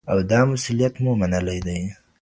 او دا مسولیت مو منلی دی.